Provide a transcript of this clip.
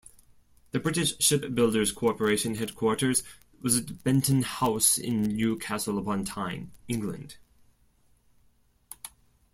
The British Shipbuilders Corporation headquarters was at Benton House in Newcastle upon Tyne, England.